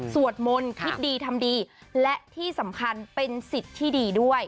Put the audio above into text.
สวดมนต์คิดดีทำดีและที่สำคัญเป็นสิทธิ์ที่ดีด้วย